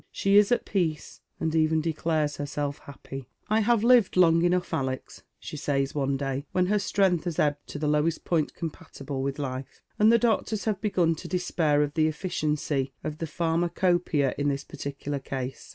She is at peace, and even declsures herself happy. " I have lived long enough, Alex," she says one day when her strength has ebbed to the lowest point compatible with life, and the doctors have begun to despair of the efficiency of the phar macopeia in this particular case.